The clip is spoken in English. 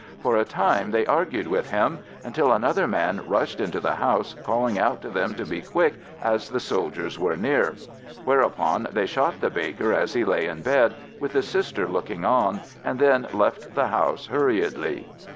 For a time they argued with him, until another man rushed into the house, calling out to them to be quick as the soldiers were near. Whereupon they shot the baker as he lay in bed, with the sister looking on, and then left the house hurriedly.